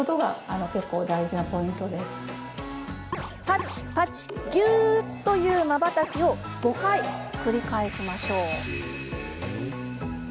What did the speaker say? パチ、パチ、ギューというまばたきを５回繰り返しましょう。